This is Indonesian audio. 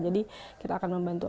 jadi kita akan membantu mereka